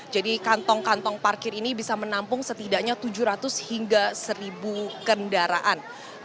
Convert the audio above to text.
jadi kantong kantong parkir ini bisa menampung setidaknya tujuh ratus hingga seribu kendaraan